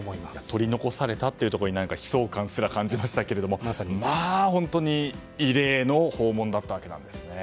取り残されたというところに悲壮感すら感じましたが、本当に異例の訪問だったわけですね。